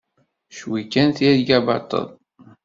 Cwi kan tirga baṭel!